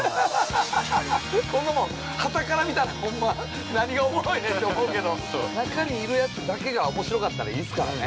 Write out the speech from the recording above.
◆こんなもん、はたから見たら何がおもろいねんと思うけど中にいるやつだけがおもしろかったらいいですからね。